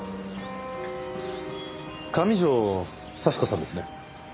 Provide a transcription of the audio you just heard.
上條幸子さんですね？